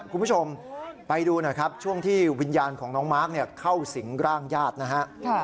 คุณผู้ชมไปดูหน่อยครับช่วงที่วิญญาณของน้องมาร์คเข้าสิงร่างญาตินะฮะ